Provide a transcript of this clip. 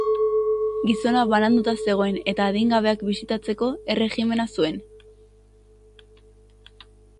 Gizona bananduta zegoen eta adingabeak bisitatzeko erregimena zuen.